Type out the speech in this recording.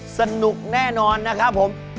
สนุกแน่นอนนะครับผม